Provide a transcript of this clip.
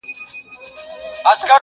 د هر ښار په جنایت کي به شامل وو،